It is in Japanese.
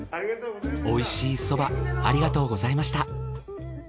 美味しいそばありがとうございました。